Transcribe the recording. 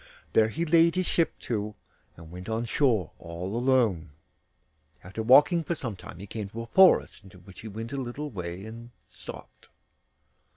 There he laid his ship to, and went on shore all alone. After walking for some time he came to a forest, into which he went a little way and stopped.